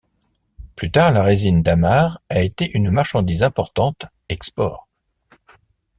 Plus tard, la résine damar a été une marchandise importante export.